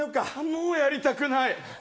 もうやりたくない。